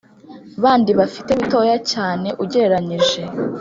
bandi bafite bitoya cyane ugereranyije